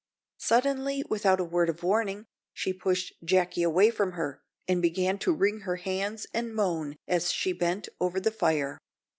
Suddenly, without a word of warning, she pushed Jacky away from her, and began to wring her hands and moan as she bent over the fire.